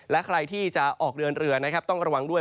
และใครที่จะออกเดินเรือนะครับต้องระวังด้วย